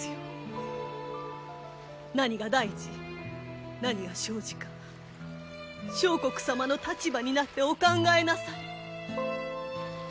何が大事何が小事か相国様の立場になってお考えなされ！